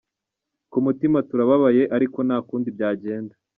Ku mutima turababaye ariko nta kundi byagenda.